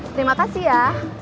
terima kasih ya